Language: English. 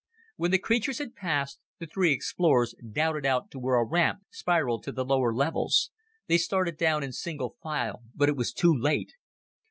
When the creatures had passed, the three explorers darted out to where a ramp spiraled to the lower levels. They started down in single file, but it was too late.